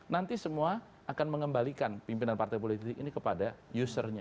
nanti semua akan mengembalikan pimpinan partai politik ini kepada usernya